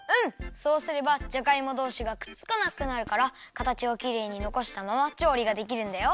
そうすればじゃがいもどうしがくっつかなくなるからかたちをきれいにのこしたままちょうりができるんだよ。